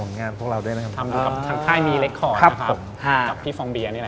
ทางบรรยายมีทางตำเป่น